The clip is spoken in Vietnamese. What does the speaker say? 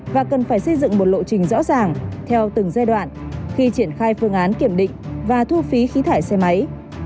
và cần phải xây dựng một lộ trình rõ ràng theo từng giai đoạn khi triển khai phương án kiểm định và thu phí khí thải xe máy